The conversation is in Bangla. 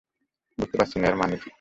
বুঝতে পারছি না এর মানে কী।